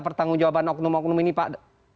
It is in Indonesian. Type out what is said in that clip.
pertanggung jawaban hukum hukum ini pak